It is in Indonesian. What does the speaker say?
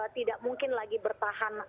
tidak mungkin lagi bertahan